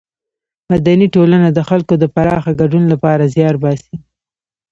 مدني ټولنه د خلکو د پراخه ګډون له پاره زیار باسي.